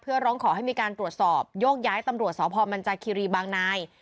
เพื่อร้องขอให้มีการตรวจสอบโยกย้ายตำรวจสพมันจาคิรีบางนาย